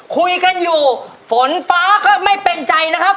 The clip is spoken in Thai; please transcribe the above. คุยกันอยู่ฝนฟ้าก็ไม่เป็นใจนะครับ